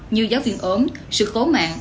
như giáo viên ổn sự khố mạng